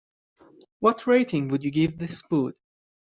What rating would you give this food?